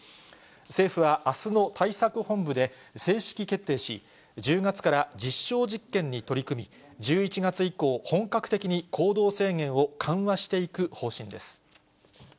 政府はあすの対策本部で正式決定し、１０月から実証実験に取り組み、１１月以降、本格的に行動制限を緩和していく方針です。